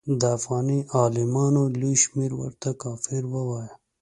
د افغاني عالمانو لوی شمېر ورته کافر وایه.